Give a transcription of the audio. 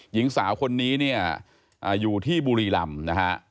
หญิงสาวคนนี้อยู่ที่บุรีลำ